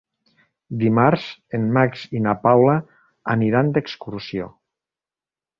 Dimarts en Max i na Paula aniran d'excursió.